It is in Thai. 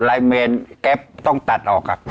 ลายเมนแก๊ปต้องตัดออก